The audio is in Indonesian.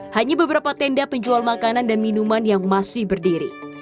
hanya beberapa tenda penjual makanan dan minuman yang masih berdiri